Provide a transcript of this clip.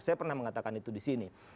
saya pernah mengatakan itu disini